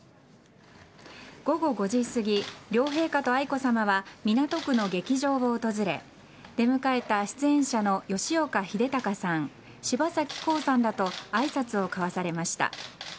午後５時すぎ両陛下と愛子さまは港区の劇場を訪れ出迎えた出演者の吉岡秀隆さん柴咲コウさんらと挨拶を交わされました。